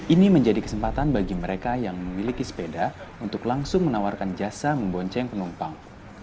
ini menjadi kesempatan bagi mereka yang memiliki sepeda untuk langsung menawarkan jasa membonceng penumpang